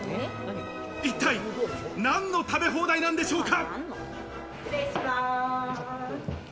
一体、何の食べ放題なんでしょうか？